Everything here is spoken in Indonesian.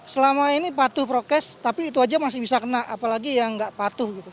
selama ini patuh prokes tapi itu aja masih bisa kena apalagi yang nggak patuh gitu